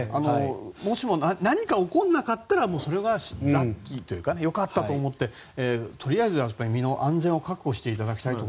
もし何か起こらなかったらそれはラッキーと思ってとりあえず身の安全を確保していただきたいと。